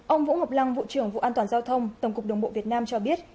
ông vũ ngọc lăng vụ trưởng vụ an toàn giao thông tổng cục đồng bộ việt nam cho biết